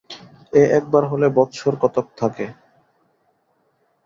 এ একবার হলে বৎসর কতক থাকে।